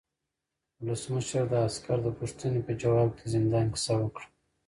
ولسمشر د عسکر د پوښتنې په ځواب کې د زندان کیسه وکړه.